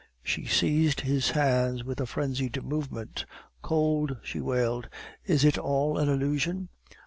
She seized his hands with a frenzied movement. "Cold!" she wailed. "Is it all an illusion?"